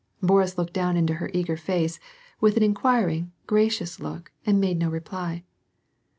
Boris looked down into her eager face, with an inquiring, gramous look, and made no reply.